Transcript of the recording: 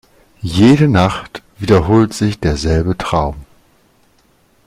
Jede Nacht wiederholt sich derselbe Traum.